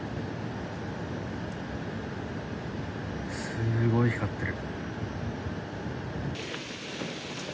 すごい光ってる。